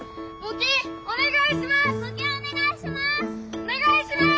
お願いします！